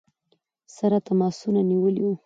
سره تماسونه نیولي ؤ.